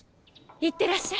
いってらっしゃい。